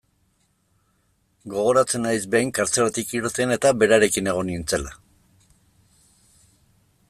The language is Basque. Gogoratzen naiz, behin, kartzelatik irten eta berarekin egon nintzela.